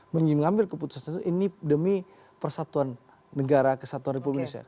mengambil keputusan tersebut ini demi persatuan negara kesatuan republik indonesia